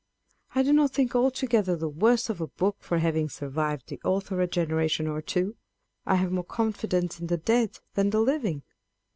I do not think altogether the worse of a book for having survived the author a genera tion or two. I have more confidence in the dead than the living.